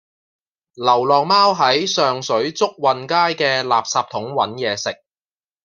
流浪貓喺上水祝運街嘅垃圾桶搵野食